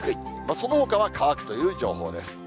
そのほかは乾くという情報です。